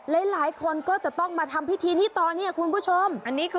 หลายคนก็จะต้องมาทำพิธีนี้ต่อเนี่ยคุณผู้ชม